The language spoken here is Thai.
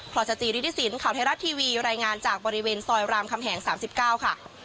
พลังสจริริสินข่าวไทยรัฐทีวีรายงานจากบริเวณซอยรามคำแหงสามสิบเก้าค่ะ